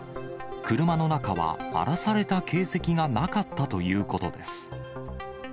車の中は荒らされた形跡がなかったということです。